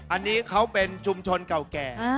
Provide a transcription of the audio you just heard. อันนี้เขาเป็นชุมชนเก่าแก่